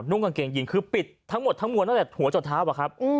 นุ่มกางเกงยีนคือปิดทั้งหมดทั้งหมวนนั้นแต่หัวจอดเท้า